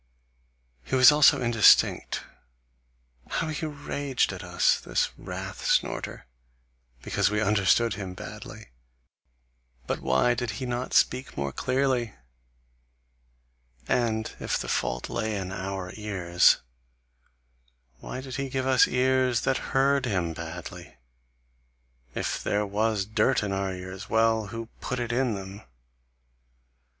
He was also indistinct. How he raged at us, this wrath snorter, because we understood him badly! But why did he not speak more clearly? And if the fault lay in our ears, why did he give us ears that heard him badly? If there was dirt in our ears, well! who put it in them?